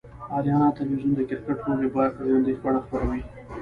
آریانا تلویزیون دکرکټ لوبې به ژوندۍ بڼه خپروي